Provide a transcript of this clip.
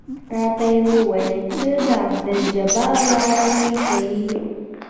راته ويې ويل ته د عبدالجبار وراره يې که يه.